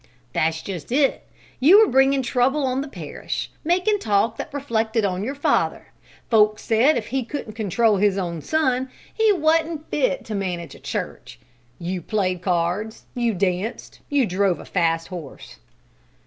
"That's just it; you were bringin' trouble on the parish, makin' talk that reflected on your father. Folks said if he couldn't control his own son, he wa'n't fit to manage a church. You played cards, you danced, you drove a fast horse."